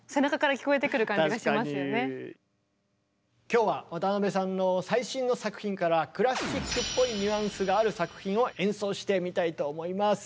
今日は渡辺さんの最新の作品からクラシックっぽいニュアンスがある作品を演奏してみたいと思います。